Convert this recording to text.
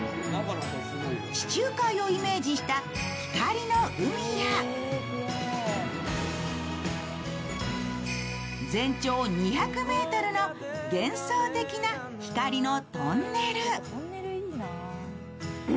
地中海をイメージした光の海や、全長２００ｍの幻想的な光のトンネル。